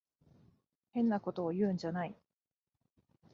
変なことを言うんじゃない。